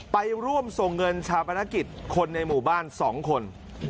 ไปร่วมส่งเงินชาปนกิจคนในหมู่บ้าน๒คน